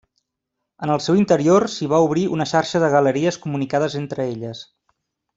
En el seu interior s'hi va obrir una xarxa de galeries comunicades entre elles.